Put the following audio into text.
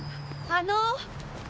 あの！